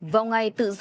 vào ngày tự do báo chí